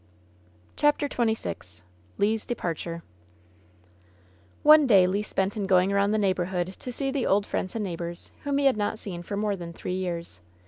CHAPTER XXVI le's depabtube One day Le spent in going around the neighborhood to see the old friends and neighbors, whom he had not seen for more than three years.